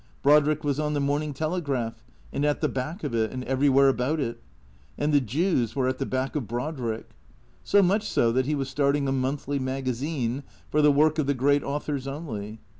Brodrick was on the " Morning Telegraph," and at the back of it, and every where about it. And the Jews were at the back of Brodrick. So much so that he was starting a monthly magazine — for the work of the great authors only.